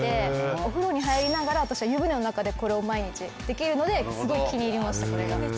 お風呂に入りながら私は湯船の中でこれを毎日できるのですごい気に入りましたこれが。